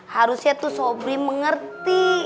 harusnya tuh sobri mengerti